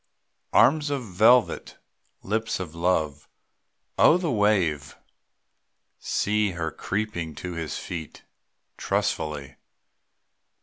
Arms of velvet, lips of love, Oh! the wave. See her creeping to his feet Trustfully.